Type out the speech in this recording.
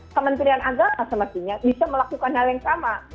kementerian agama semestinya bisa melakukan hal yang sama